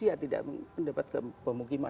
apakah t mop